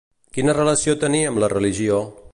Quina relació tenia amb la religió?